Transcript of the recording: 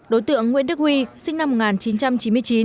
đối tượng nguyễn đức huy sinh năm một nghìn chín trăm chín mươi chín